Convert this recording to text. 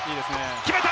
決めた！